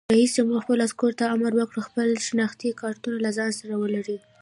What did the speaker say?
رئیس جمهور خپلو عسکرو ته امر وکړ؛ خپل شناختي کارتونه له ځان سره ولرئ!